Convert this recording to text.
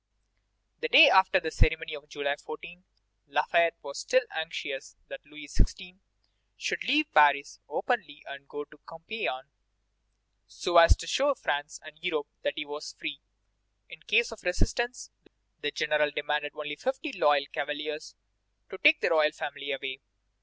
The day after the ceremony of July 14, Lafayette was still anxious that Louis XVI. should leave Paris openly and go to Compiègne, so as to show France and Europe that he was free. In case of resistance, the general demanded only fifty loyal cavaliers to take the royal family away.